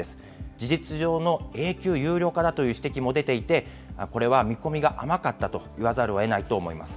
事実上の永久有料化だという指摘も出ていて、これは見込みが甘かったと言わざるをえないと思います。